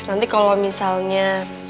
nanti kalau misalnya